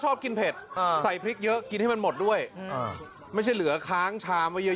ชอบกินเผ็ดใส่พริกเยอะกินให้มันหมดด้วยไม่ใช่เหลือค้างชามไว้เยอะ